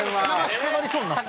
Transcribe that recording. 捕まりそうになった。